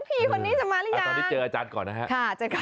ตอนที่เจออาจารย์ก่อนนะฮะ